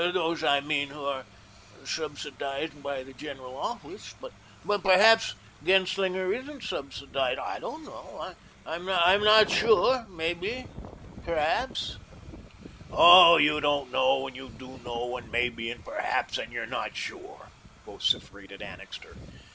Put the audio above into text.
Those, I mean, who are subsidised by the General Office. But, perhaps, Genslinger isn't subsidised, I don't know. I I am not sure. Maybe perhaps" "Oh, you don't know and you do know, and maybe and perhaps, and you're not so sure," vociferated Annixter.